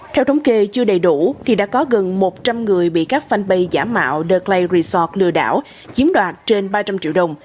theo thống kê chưa đầy đủ thì đã có gần một trăm linh người bị các fanpage giả mạo the clay resort lừa đảo chiếm đoạt trên ba trăm linh triệu đồng